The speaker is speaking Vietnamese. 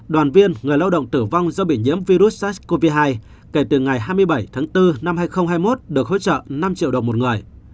đoàn viên người lao động tử vong do bị nhiễm virus sars cov hai kể từ ngày hai mươi bảy tháng bốn năm hai nghìn hai mươi một được hỗ trợ năm triệu đồng một người